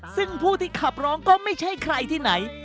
ซึ่งผู้ที่ขับร้องก็ไม่ใช่ใครที่ไหน